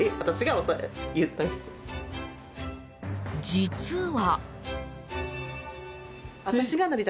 実は。